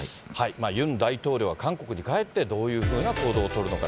ユン大統領は韓国に帰ってどういうふうな行動を取るのか。